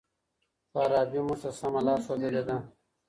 فارابي موږ ته سمه لار ښودلې ده.